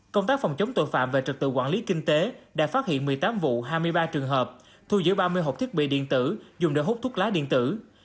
công tác phòng chống tội phạm về trực tự quản lý kinh tế đã phát hiện một mươi tám vụ hai mươi ba trường hợp thu giữ ba mươi hộp thiết bị điện tử dùng để hút thuốc lá điện tử